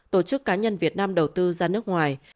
tổ chức cá nhân việt nam đầu tư ra nước ngoài